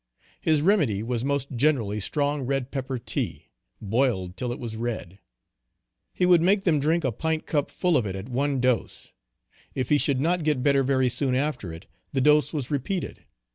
His remedy was most generally strong red pepper tea, boiled till it was red. He would make them drink a pint cup full of it at one dose. If he should not get better very soon after it, the dose was repeated.